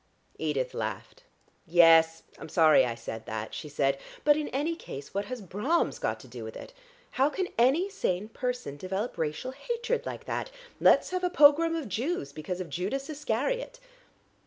Edith laughed. "Yes, I'm sorry I said that," she said. "But in any case what has Brahms got to do with it? How can any sane person develop racial hatred like that? Let's have a pogrom of Jews because of Judas Iscariot.